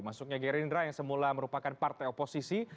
masuknya gerindra yang semula merupakan partai oposisi